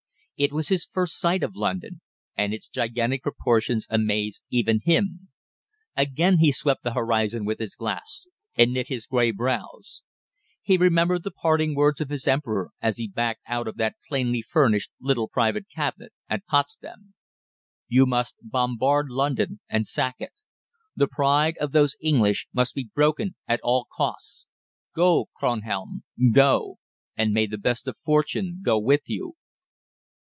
It was his first sight of London, and its gigantic proportions amazed even him. Again he swept the horizon with his glass, and knit his grey brows. He remembered the parting words of his Emperor as he backed out of that plainly furnished little private cabinet at Potsdam "You must bombard London and sack it. The pride of those English must be broken at all costs. Go, Kronhelm go and may the best of fortune go with you!"